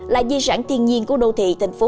là di sản thiên nhiên của đô thị thành phố